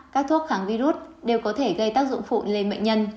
các thuốc kháng virus đều có thể gây tác dụng phụn lên mệnh nhân